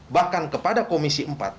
bahkan kepada komisi empat